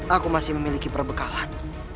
aku masih memiliki perbekalan